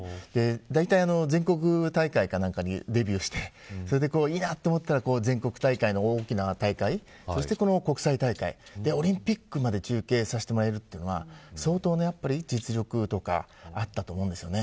だいたい全国大会でデビューしていいなと思ったら全国大会の大きな大会そして国際大会オリンピックまで中継させてもらえるのは相当な実力があったと思うんですよね。